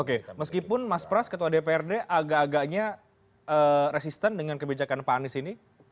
oke meskipun mas pras ketua dprd agak agaknya resisten dengan kebijakan pak anies ini